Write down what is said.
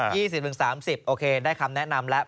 ๒๐ถึง๓๐โอเคได้คำแนะนำแล้ว